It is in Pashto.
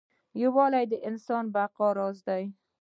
یووالی د انسان د بقا راز دی.